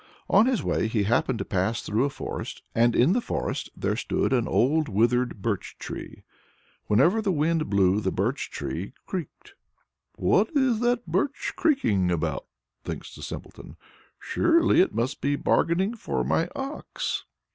On his way he happened to pass through a forest, and in the forest there stood an old withered Birch tree. Whenever the wind blew the Birch tree creaked. "What is the Birch creaking about?" thinks the Simpleton. "Surely it must be bargaining for my ox?